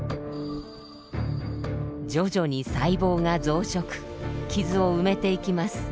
徐々に細胞が増殖傷を埋めていきます。